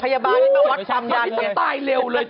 พยาบาลเนี่ยจนตายเร็วเลยเธอ